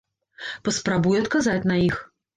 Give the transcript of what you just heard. Паспрабуй адказаць на іх!